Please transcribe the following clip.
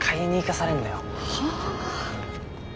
はあ。